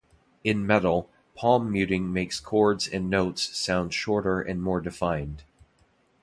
In metal, palm muting makes chords and notes sound shorter and more defined.